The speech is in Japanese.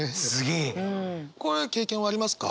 こういう経験はありますか？